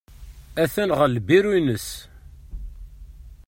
Atan ɣer lbiru-nnes.